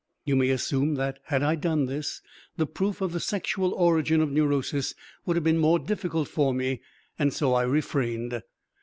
You may assume that, had I done this, the proof of the sexual origin of neurosis would have been more difficult for me, and so I refrained.